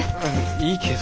いいけど。